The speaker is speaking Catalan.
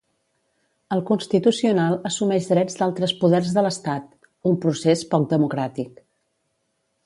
El Constitucional assumeix drets d'altres poders de l'estat, un procés poc democràtic.